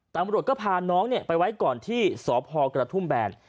ตำรวจก็พาน้องไปไว้ก่อนที่สพกระทุ่มแบน